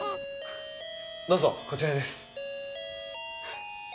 どうぞこちらです